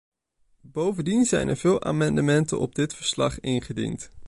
Bovendien zijn er veel amendementen op dit verslag ingediend.